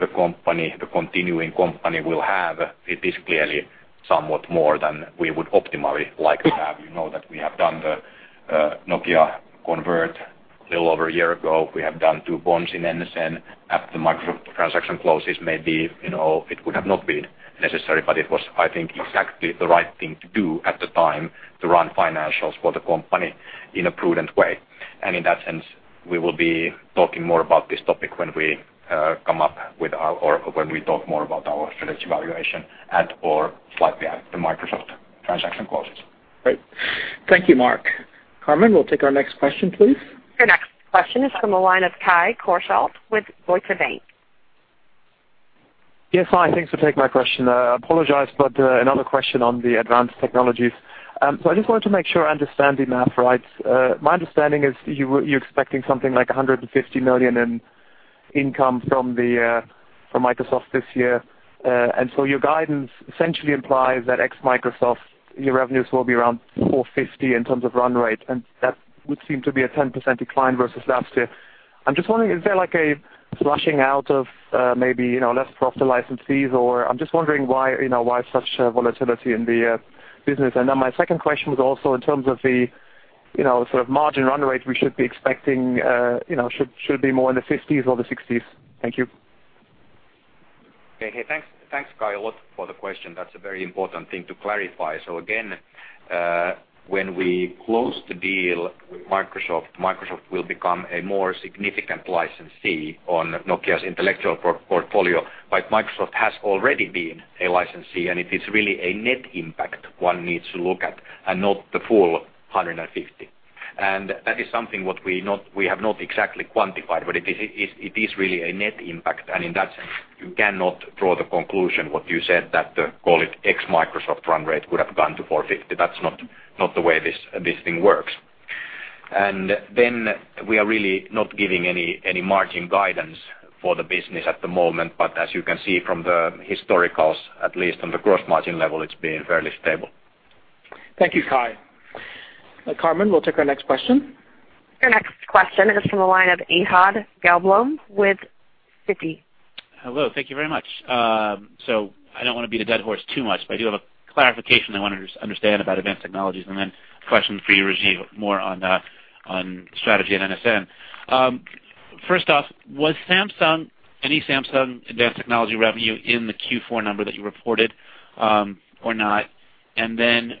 much debt the company, the continuing company, will have, it is clearly somewhat more than we would optimally like to have. You know that we have done the Nokia convertible a little over a year ago. We have done two bonds in NSN. At the Microsoft transaction closes, maybe it would have not been necessary, but it was, I think, exactly the right thing to do at the time to run financials for the company in a prudent way. And in that sense, we will be talking more about this topic when we come up with or when we talk more about our strategy evaluation at or slightly after the Microsoft transaction closes. Great. Thank you, Mark. Carmen, we'll take our next question, please. Your next question is from the line of Kai Korschelt with Deutsche Bank. Yes. Hi. Thanks for taking my question. Apologize, but another question on the Advanced Technologies. So I just wanted to make sure I understand the math right. My understanding is you're expecting something like 150 million in income from Microsoft this year. And so your guidance essentially implies that ex-Microsoft, your revenues will be around 450 million in terms of run rate, and that would seem to be a 10% decline versus last year. I'm just wondering, is there a phasing out of maybe less profitable license fees? Or I'm just wondering why such volatility in the business. And then my second question was also in terms of the sort of margin run rate, we should be expecting should it be more in the 50s or the 60s? Thank you. Hey. Hey. Thanks, Kai, a lot for the question. That's a very important thing to clarify. So again, when we close the deal with Microsoft, Microsoft will become a more significant licensee on Nokia's intellectual portfolio, but Microsoft has already been a licensee, and it is really a net impact one needs to look at and not the full 150. That is something what we have not exactly quantified, but it is really a net impact. In that sense, you cannot draw the conclusion, what you said, that the, call it, ex-Microsoft run rate could have gone to 450. That's not the way this thing works. Then we are really not giving any margin guidance for the business at the moment, but as you can see from the historicals, at least on the gross margin level, it's been fairly stable. Thank you, Kai. Carmen, we'll take our next question. Your next question is from the line of Ehud Gelblum with Citigroup. Hello. Thank you very much. So I don't want to beat a dead horse too much, but I do have a clarification I want to understand about Advanced Technologies. And then a question for you, Rajeev, more on strategy and NSN. First off, was there any Samsung advanced technology revenue in the Q4 number that you reported or not? And then,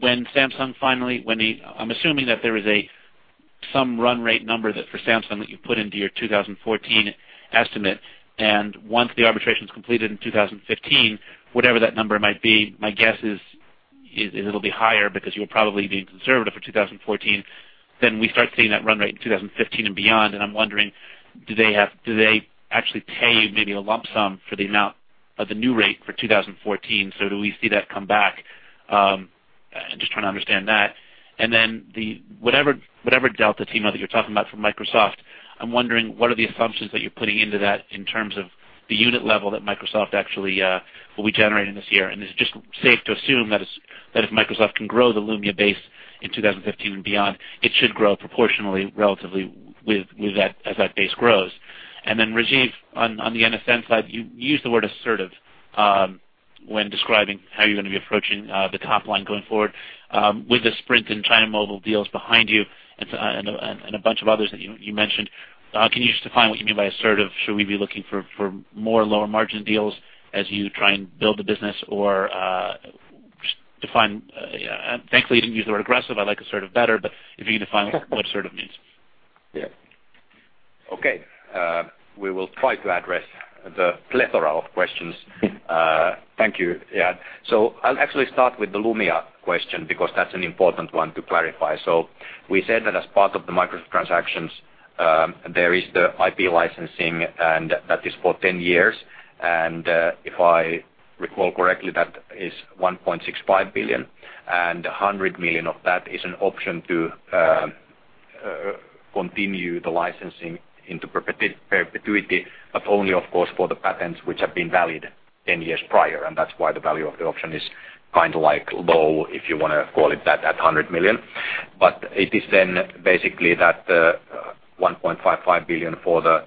when Samsung finally, I'm assuming that there is some run rate number for Samsung that you've put into your 2014 estimate. And once the arbitration is completed in 2015, whatever that number might be, my guess is it'll be higher because you're probably being conservative for 2014. Then we start seeing that run rate in 2015 and beyond. And I'm wondering, do they actually pay you maybe a lump sum for the amount of the new rate for 2014? So do we see that come back? I'm just trying to understand that. And then whatever delta, Timo, that you're talking about from Microsoft, I'm wondering, what are the assumptions that you're putting into that in terms of the unit level that Microsoft actually will be generating this year? And is it just safe to assume that if Microsoft can grow the Lumia base in 2015 and beyond, it should grow proportionally, relatively, as that base grows? And then, Rajeev, on the NSN side, you used the word assertive when describing how you're going to be approaching the top line going forward. With the Sprint and China Mobile deals behind you and a bunch of others that you mentioned, can you just define what you mean by assertive? Should we be looking for more lower-margin deals as you try and build the business, or define? Thankfully, you didn't use the word aggressive. I like assertive better. But if you can define what assertive means? Yeah. Okay. We will try to address the plethora of questions. Thank you, Ehud. So I'll actually start with the Lumia question because that's an important one to clarify. So we said that as part of the Microsoft transactions, there is the IP licensing, and that is for 10 years. And if I recall correctly, that is 1.65 billion. And 100 million of that is an option to continue the licensing into perpetuity, but only, of course, for the patents which have been valid 10 years prior. And that's why the value of the option is kind of low if you want to call it that, at 100 million. But it is then basically that 1.55 billion for the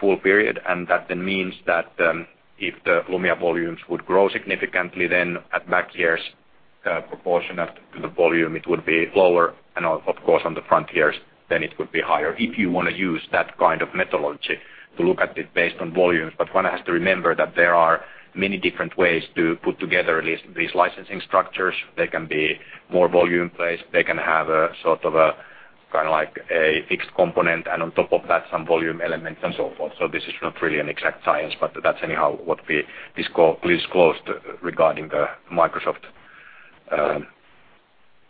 full period. And that then means that if the Lumia volumes would grow significantly, then at back years, proportionate to the volume, it would be lower. And of course, on the front years, then it would be higher if you want to use that kind of methodology to look at it based on volumes. But one has to remember that there are many different ways to put together these licensing structures. They can be more volume-based. They can have a sort of kind of like a fixed component and on top of that some volume elements and so forth. So this is not really an exact science, but that's anyhow what we disclosed regarding the Microsoft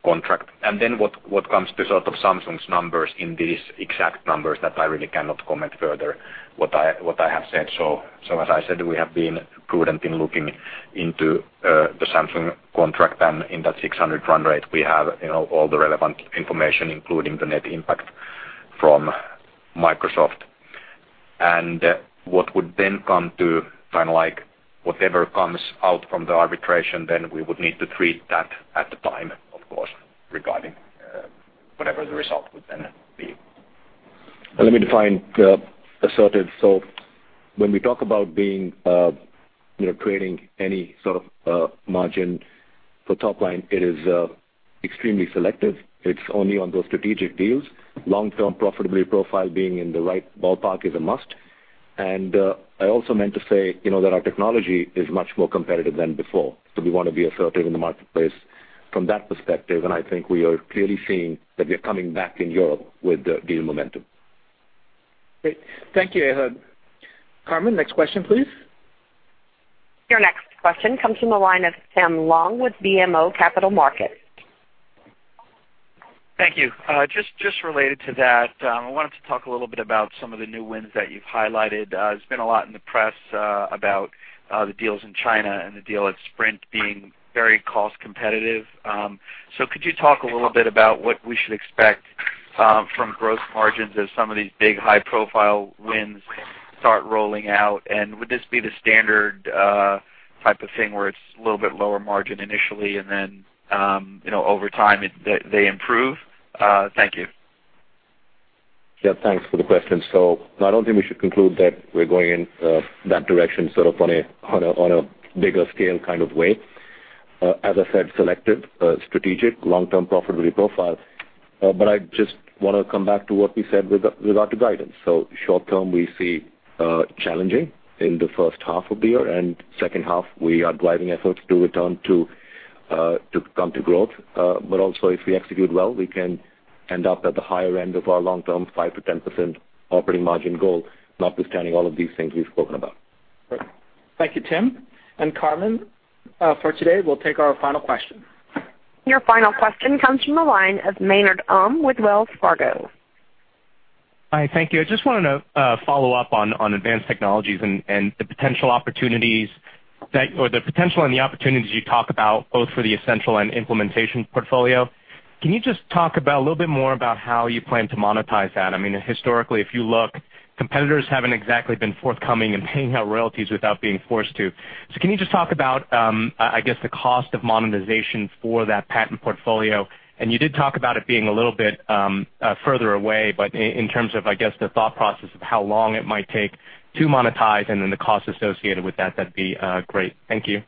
contract. And then what comes to sort of Samsung's numbers in these exact numbers that I really cannot comment further what I have said. So as I said, we have been prudent in looking into the Samsung contract. And in that 600 run rate, we have all the relevant information, including the net impact from Microsoft. What would then come to kind of like whatever comes out from the arbitration, then we would need to treat that at the time, of course, regarding whatever the result would then be. Let me define assertive. When we talk about trading any sort of margin for top line, it is extremely selective. It's only on those strategic deals. Long-term profitability profile being in the right ballpark is a must. I also meant to say that our technology is much more competitive than before. We want to be assertive in the marketplace from that perspective. I think we are clearly seeing that we are coming back in Europe with the deal momentum. Great. Thank you, Ehud. Carmen, next question, please. Your next question comes from the line of Tim Long with BMO Capital Markets. Thank you. Just related to that, I wanted to talk a little bit about some of the new wins that you've highlighted. There's been a lot in the press about the deals in China and the deal at Sprint being very cost-competitive. So could you talk a little bit about what we should expect from gross margins as some of these big, high-profile wins start rolling out? And would this be the standard type of thing where it's a little bit lower margin initially, and then over time, they improve? Thank you. Yeah. Thanks for the question. So I don't think we should conclude that we're going in that direction sort of on a bigger scale kind of way. As I said, selective, strategic, long-term profitability profile. But I just want to come back to what we said regard to guidance. So short term, we see challenging in the first half of the year. And second half, we are driving efforts to come to growth. But also, if we execute well, we can end up at the higher end of our long-term 5%-10% operating margin goal, notwithstanding all of these things we've spoken about. Great. Thank you, Tim. And Carmen, for today, we'll take our final question. Your final question comes from the line of Maynard Um with Wells Fargo. Hi. Thank you. I just wanted to follow up on Advanced Technologies and the potential and the opportunities you talk about both for the essential and implementation portfolio. Can you just talk a little bit more about how you plan to monetize that? I mean, historically, if you look, competitors haven't exactly been forthcoming in paying out royalties without being forced to. So can you just talk about, I guess, the cost of monetization for that patent portfolio? And you did talk about it being a little bit further away, but in terms of, I guess, the thought process of how long it might take to monetize and then the cost associated with that, that'd be great. Thank you.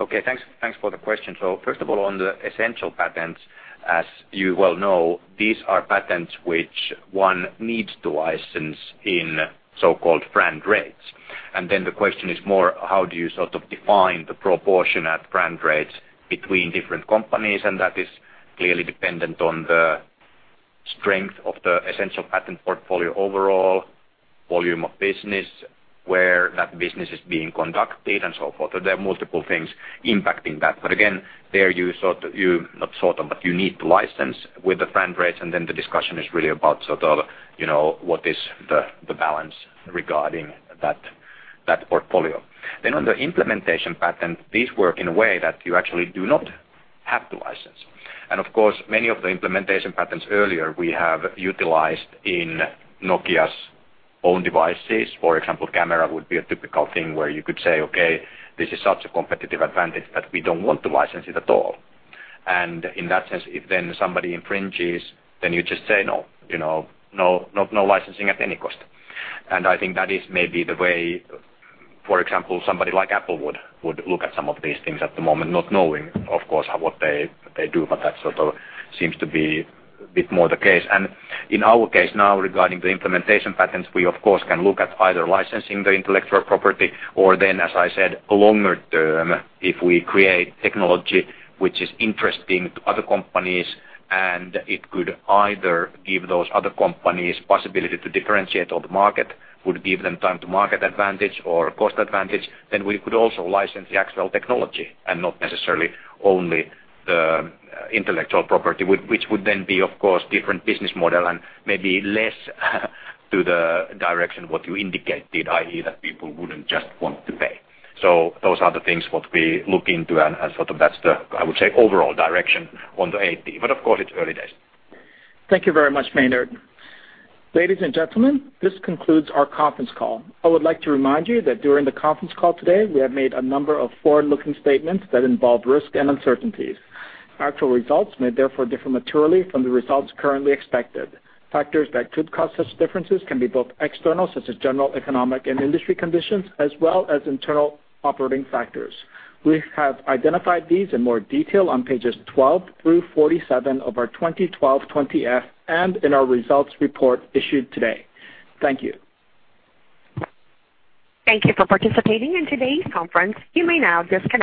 Okay. Thanks for the question. So first of all, on the essential patents, as you well know, these are patents which one needs to license in so-called FRAND rates. And then the question is more, how do you sort of define the proportion at FRAND rates between different companies? And that is clearly dependent on the strength of the essential patent portfolio overall, volume of business, where that business is being conducted, and so forth. So there are multiple things impacting that. But again, there you sort of you not sort of, but you need to license with the FRAND rates. And then the discussion is really about sort of what is the balance regarding that portfolio. Then on the implementation patent, these work in a way that you actually do not have to license. Of course, many of the implementation patents earlier we have utilized in Nokia's own devices. For example, camera would be a typical thing where you could say: Okay. This is such a competitive advantage that we don't want to license it at all. And in that sense, if then somebody infringes, then you just say, No. No licensing at any cost. And I think that is maybe the way, for example, somebody like Apple would look at some of these things at the moment, not knowing, of course, what they do. But that sort of seems to be a bit more the case. In our case now regarding the implementation patents, we, of course, can look at either licensing the intellectual property or then, as I said, longer term, if we create technology which is interesting to other companies and it could either give those other companies possibility to differentiate on the market, would give them time-to-market advantage or cost advantage, then we could also license the actual technology and not necessarily only the intellectual property, which would then be, of course, different business model and maybe less to the direction what you indicated, i.e., that people wouldn't just want to pay. So those are the things what we look into. And sort of that's the, I would say, overall direction on the IPR. But of course, it's early days. Thank you very much, Maynard. Ladies and gentlemen, this concludes our conference call. I would like to remind you that during the conference call today, we have made a number of forward-looking statements that involve risk and uncertainties. Actual results may therefore differ materially from the results currently expected. Factors that could cause such differences can be both external, such as general economic and industry conditions, as well as internal operating factors. We have identified these in more detail on pages 12 through 47 of our 2012 20-F and in our results report issued today. Thank you. Thank you for participating in today's conference. You may now disconnect.